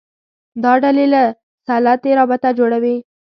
دا ډلې له سلطې رابطه جوړوي